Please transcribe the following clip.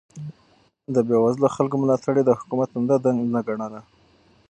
د بې وزلو خلکو ملاتړ يې د حکومت عمده دنده ګڼله.